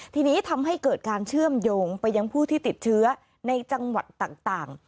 ทีนี้ทำให้เกิดการเชื่อมโยงไปยังผู้ที่ติดเชื้อในจังหวัดต่าง